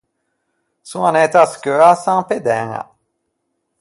Son anæta à scheua à San Pê d’Æña.